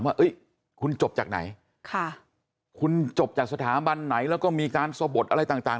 ว่าคุณจบจากไหนค่ะคุณจบจากสถาบันไหนแล้วก็มีการสะบดอะไรต่าง